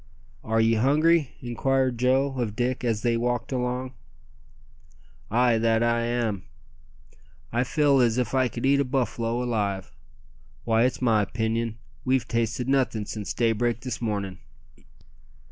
"Are ye hungry?" inquired Joe of Dick as they walked along. "Ay, that am I. I feel as if I could eat a buffalo alive. Why, it's my 'pinion we've tasted nothin' since daybreak this mornin'."